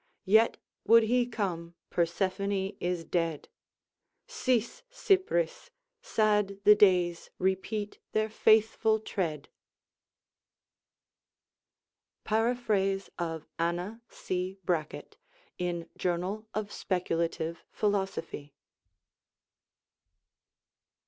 Yet would he come, Persephone is dead; Cease, Cypris! Sad the days repeat their faithful tread! Paraphrase of Anna C. Brackett, in Journal of Speculative Philosophy.